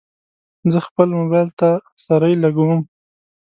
زه خپل موبایل ته سرۍ لګوم.